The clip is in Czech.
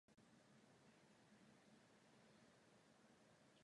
Chtěla bych zdůraznit ještě jednu skutečnost.